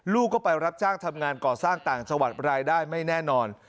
ลูกก็ไปรับจ้างทำงานก่อสร้างต่างจังหวัดรายได้ไม่แน่นอน